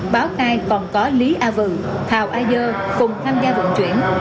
báo khai còn có lý a vư thào a dơ cùng tham gia vận chuyển